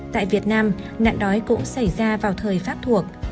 tại việt nam nạn đói cũng xảy ra vào thời pháp thuộc